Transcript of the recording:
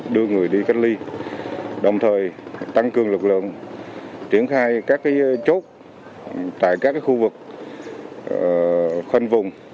đưa người đi cách ly đồng thời tăng cường lực lượng triển khai các chốt tại các khu vực khoanh vùng